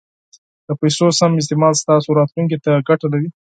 د پیسو سم استعمال ستاسو راتلونکي ته ګټه لري.